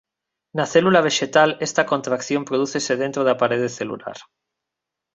Na célula vexetal esta contracción prodúcese dentro da parede celular.